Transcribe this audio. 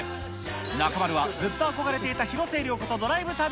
中丸はずっと憧れていた広末涼子とドライブ旅。